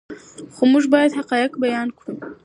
خو موږ باید حقایق بیان کړو.